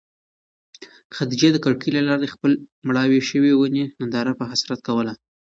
خدیجې د کړکۍ له لارې د خپلې مړاوې شوې ونې ننداره په حسرت کوله.